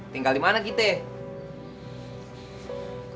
tinggal dimana kita ya